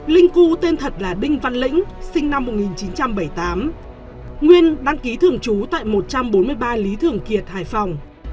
linh cu tên thật là đinh văn lĩnh sinh năm một nghìn chín trăm bảy mươi tám nguyên đăng ký thưởng chú tại một trăm bốn mươi ba lý thưởng kiệt hải phòng